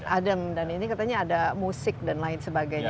adem dan ini katanya ada musik dan lain sebagainya